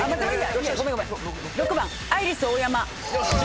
６番アイリスオーヤマ。